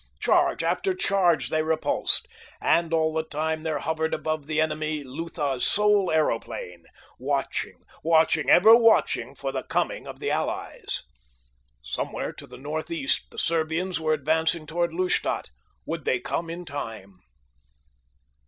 Charge after charge they repulsed, and all the time there hovered above the enemy Lutha's sole aeroplane, watching, watching, ever watching for the coming of the allies. Somewhere to the northeast the Serbians were advancing toward Lustadt. Would they come in time?